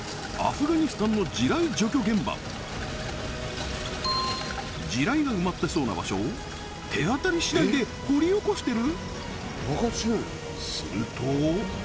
こちら地雷が埋まってそうな場所を手当たり次第で掘り起こしてる？